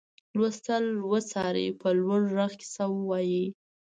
لوستل وڅاري په لوړ غږ کیسه ووايي.